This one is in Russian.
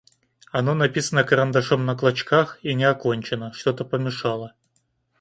Оно написано карандашом на клочках и не окончено: что-то помешало.